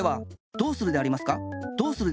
どうするでありますか？